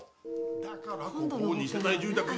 だからここを二世帯住宅に。